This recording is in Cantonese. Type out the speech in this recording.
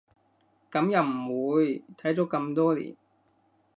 噉又唔會，睇咗咁多年